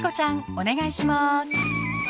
お願いします。